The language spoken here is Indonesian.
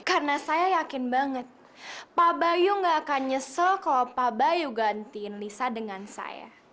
karena saya yakin banget pak bayu gak akan nyesel kalau pak bayu gantiin lisa dengan saya